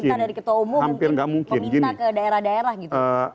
jadi dari perintah dari ketua umum peminta ke daerah daerah gitu